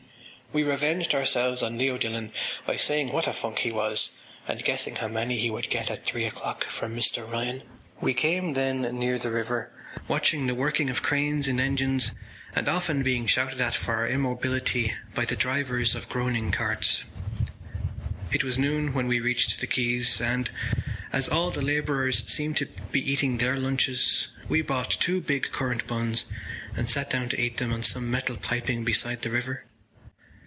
We revenged ourselves on Leo Dillon by saying what a funk he was and guessing how many he would get at three o’clock from Mr Ryan. We came then near the river. We spent a long time walking about the noisy streets flanked by high stone walls, watching the working of cranes and engines and often being shouted at for our immobility by the drivers of groaning carts. It was noon when we reached the quays and, as all the labourers seemed to be eating their lunches, we bought two big currant buns and sat down to eat them on some metal piping beside the river.